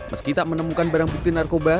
meski tak menemukan barang bukti narkoba